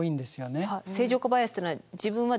正常化バイアスっていうのは自分は。